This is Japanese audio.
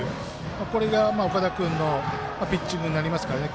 これが、岡田君のピッチングになりますからね。